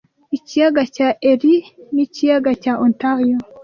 Ikiyaga cya Erie n'ikiyaga cya Ontario